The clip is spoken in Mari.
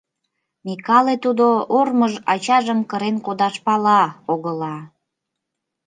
Микале тудо ормыж — ачажым кырен кодаш пала огыла...